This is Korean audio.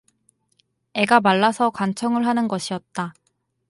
애가 말라서 간청을 하는 것이었다.